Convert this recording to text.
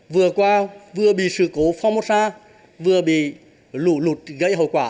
vừa qua vừa bị sự cố phong mô sa vừa bị lụ lụt gây hậu quả